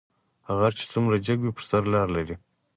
غر چې څومره جګ وي په سر لار لري